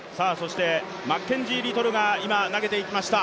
マッケンジー・リトルが今投げていきました。